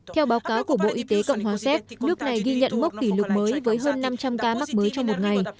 theo báo cáo của bộ y tế cộng hòa séc nước này ghi nhận mốc kỷ lục mới với hơn năm trăm linh ca mắc mới trong một ngày